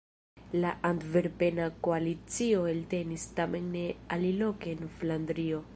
La antverpena koalicio eltenis; tamen ne aliloke en Flandrio.